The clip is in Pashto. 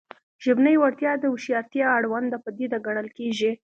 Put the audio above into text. ژبنۍ وړتیا د هوښیارتیا اړونده پدیده ګڼل کېږي